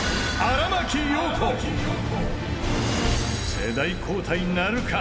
［世代交代なるか］